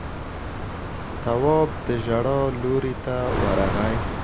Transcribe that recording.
تواب د ژړا لورې ته ورغی.